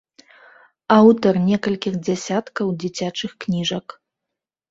Аўтар некалькіх дзясяткаў дзіцячых кніжак.